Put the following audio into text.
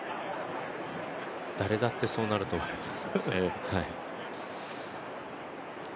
誰だってそうなると思います。